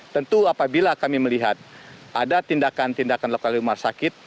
tentu apabila kami melihat ada tindakan tindakan lokal di rumah sakit